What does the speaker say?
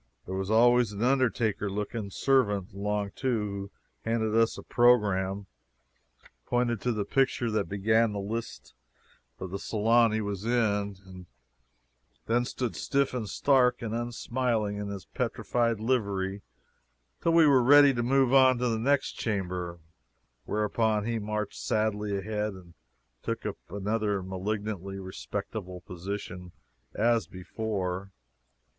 There was always an undertaker looking servant along, too, who handed us a program, pointed to the picture that began the list of the salon he was in, and then stood stiff and stark and unsmiling in his petrified livery till we were ready to move on to the next chamber, whereupon he marched sadly ahead and took up another malignantly respectful position as before.